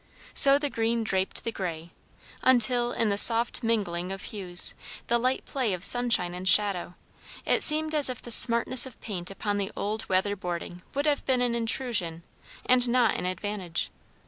So the green draped the grey; until, in the soft mingling of hues, the light play of sunshine and shadow, it seemed as if the smartness of paint upon the old weather boarding would have been an intrusion, and not an advantage.